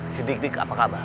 si dik dik apa kabar